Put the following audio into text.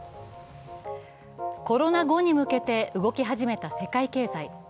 コロナ後に向けて動き始めた世界経済。